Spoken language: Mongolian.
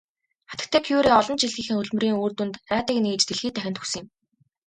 Хатагтай Кюре олон жилийнхээ хөдөлмөрийн үр дүнд радийг нээж дэлхий дахинд өгсөн юм.